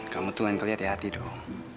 kamu tuh lain kali ya hati hati dong